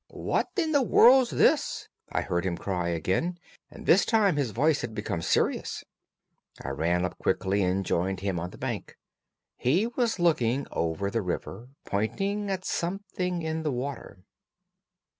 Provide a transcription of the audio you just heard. "What in the world's this?" I heard him cry again, and this time his voice had become serious. I ran up quickly and joined him on the bank. He was looking over the river, pointing at something in the water.